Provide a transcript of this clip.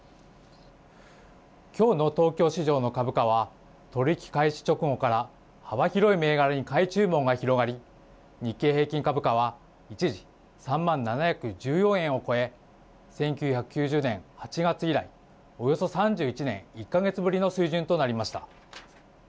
きょうの東京市場の株価は取り引き開始直後から幅広い銘柄に買い注文が広がり、日経平均株価は一時、３万７１４円を超え１９９０年８月以来、およそ３１年１か月ぶりの水準となりました。